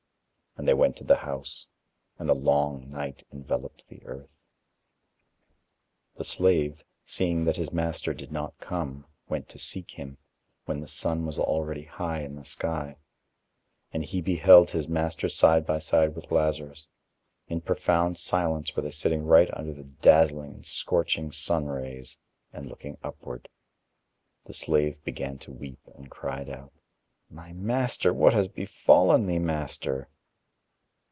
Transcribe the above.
And they went to the house. And a long night enveloped the earth. The slave, seeing that his master did not come, went to seek him, when the sun was already high in the sky. And he beheld his master side by side with Lazarus: in profound silence were they sitting right under the dazzling and scorching sunrays and looking upward. The slave began to weep and cried out: "My master, what has befallen thee, master?"